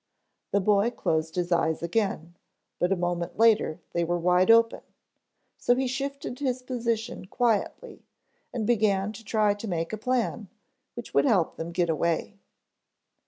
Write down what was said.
The boy closed his eyes again, but a moment later they were wide open, so he shifted his position quietly and began to try to make a plan which would help them get away.